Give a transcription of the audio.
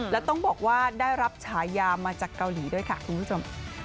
แล้วต้องบอกว่าได้รับฉายามาจากเกาหลีด้วยค่ะคุณผู้ชม